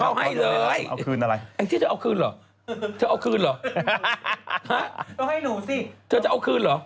ไอ้ที่เธอเอาคืนเหรอเธอเอาคืนเหรอเธอจะเอาคืนเหรอ